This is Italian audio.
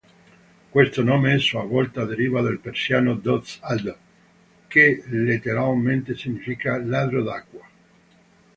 Questo nome a sua volta deriva dal persiano Dozd-aab, che letteralmente significa "ladro d'acqua.